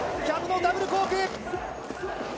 キャブのダブルコーク１４４０。